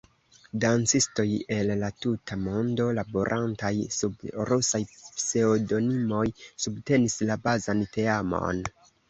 Dancistoj el la tuta mondo laborantaj sub rusaj pseŭdonimoj subtenis la bazan teamon.